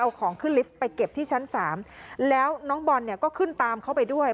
เอาของขึ้นลิฟต์ไปเก็บที่ชั้นสามแล้วน้องบอลเนี่ยก็ขึ้นตามเขาไปด้วย